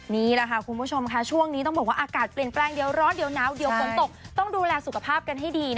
นี่ล่ะค่ะคุณผู้ชมต้องบอกว่าอากาศเปลี่ยนแปลงเยอะร้อนเยอะนาวเยอะไม่ตายต้องดูแลสุขภาพให้ดี